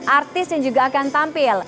artis yang juga akan tampil